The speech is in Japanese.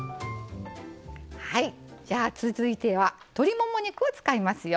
はいじゃあ続いては鶏もも肉を使いますよ。